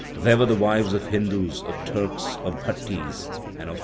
There were the wives of Hindus, of Turks, of Bhattis, and of Rajputs.